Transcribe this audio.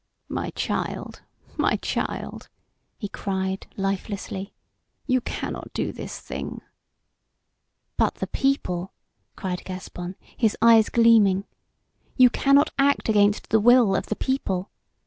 "My child, my child!" he cried, lifelessly. "You cannot do this thing!" "But the people?" cried Gaspon, his eyes gleaming. "You cannot act against the will of the people.